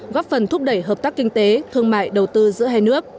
góp phần thúc đẩy hợp tác kinh tế thương mại đầu tư giữa hai nước